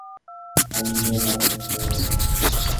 আর তোমরা, ওই ছাগলগুলোকে সামনে নিয়ে বাঁধো।